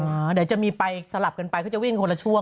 เดี๋ยวจะมีไปสลับกันไปเขาจะวิ่งคนละช่วง